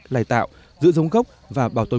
lai tạo giữ giống gốc và bảo tồn